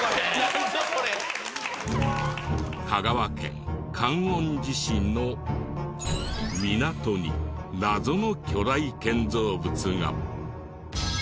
香川県観音寺市の港に謎の巨大建造物が。